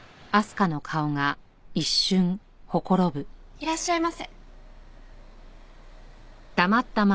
いらっしゃいませ。